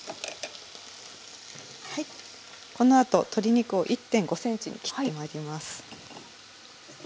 このあと鶏肉を１．５ｃｍに切ってまいります。